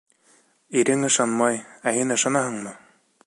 — Ирең ышанмай, ә һин ышанаһыңмы?